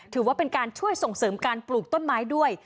ถือว่าเป็นการช่วยส่งเสริมการปลูกต้นไม้ด้วย